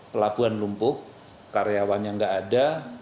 pelabuhan lumpuh karyawan yang nggak ada